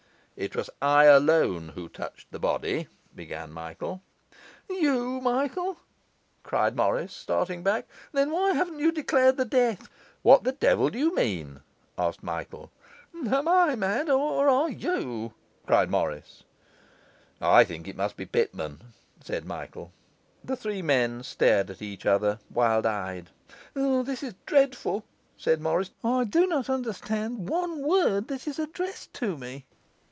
'It was I alone who touched the body,' began Michael. 'You? Michael!' cried Morris, starting back. 'Then why haven't you declared the death?' 'What the devil do you mean?' asked Michael. 'Am I mad? or are you?' cried Morris. 'I think it must be Pitman,' said Michael. The three men stared at each other, wild eyed. 'This is dreadful,' said Morris, 'dreadful. I do not understand one word that is addressed to me.